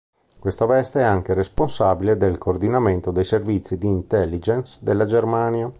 In questa veste, è anche responsabile del coordinamento dei servizi di intelligence della Germania.